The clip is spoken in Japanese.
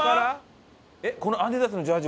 このアディダスのジャージ